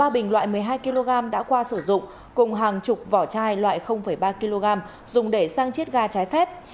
ba bình loại một mươi hai kg đã qua sử dụng cùng hàng chục vỏ chai loại ba kg dùng để sang chiết ga trái phép